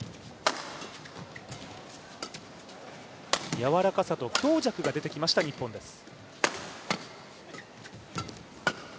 やわらかさと強弱が出てきました日本です。